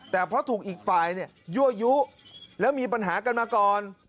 แต่เพราะถูกอีกฝ่ายยั่วยุแล้วมีปัญหากันมาก่อน